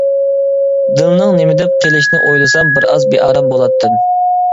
دىلنىڭ نېمىدەپ قېلىشىنى ئويلىسام بىرئاز بىئارام بولاتتىم.